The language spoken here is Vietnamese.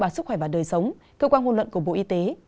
bản sức khỏe và đời sống cơ quan hôn luận của bộ y tế